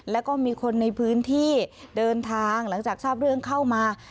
แล้วก็มีคนในพื้นที่เดินทางหลังจากทราบเรื่องเข้ามา